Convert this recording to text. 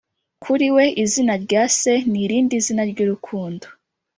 kuri we, izina rya se ni irindi zina ry'urukundo. ”